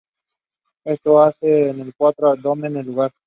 Esto hace que los cuatro abandonen el lugar.